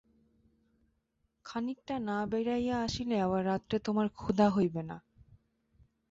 খানিকটা না বেড়াইয়া আসিলে আবার রাত্রে তোমার ক্ষুধা হইবে না।